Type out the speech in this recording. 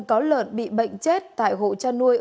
có lợn bị bệnh chết tại hộ chăn nuôi